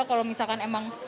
kalau misalkan emang